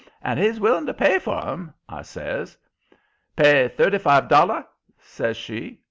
"And he's willing to pay for 'em," I says. "Pay thirty five dolla?" says she.